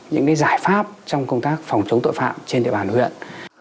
những giải pháp trong công tác phòng chống tội phạm trên địa bàn huyện